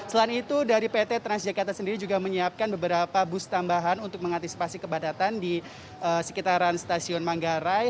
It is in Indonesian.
selain itu dari pt transjakarta sendiri juga menyiapkan beberapa bus tambahan untuk mengantisipasi kebadatan di sekitaran stasiun manggarai